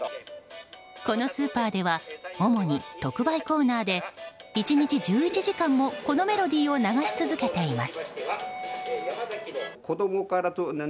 このスーパーでは主に特売コーナーで１日１１時間もこのメロディーを流し続けています。